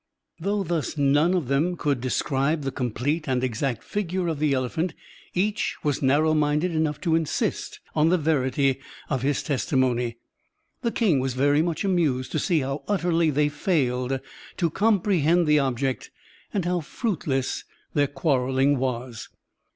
Though thus none of them could describe the complete and exact figure of the elephant, each was narrow minded enotigh to insist on the verity of his testimony. The king was very much amused to see how utterly they failed to comprehend the object and how fruitless their qtiarreling was.